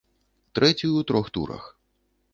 Трэцюю ў трох турах!